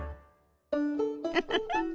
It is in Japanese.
ウフフ。